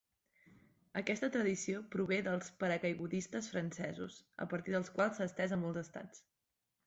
Aquesta tradició prové dels paracaigudistes francesos, a partir dels quals s'ha estès a molts estats.